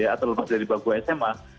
atau lepas dari bangku sma